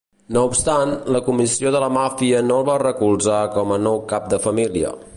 No obstant, la Comissió de la Màfia no el va recolzar com a nou cap de família.